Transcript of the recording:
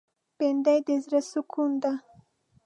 بېنډۍ د زړه سکون ده